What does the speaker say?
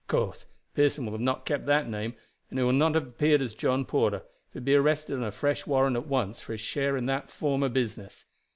Of course, Pearson will not have kept that name, and he will not have appeared as John Porter, for he would be arrested on a fresh warrant at once for his share in that former business.